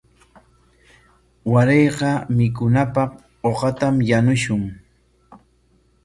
Warayqa mikunapaq uqatam yanushun.